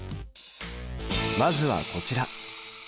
まずはこちら。